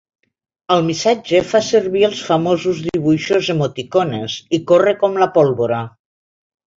El missatge fa servir els famosos dibuixos ‘emticones’ i corre com la pólvora.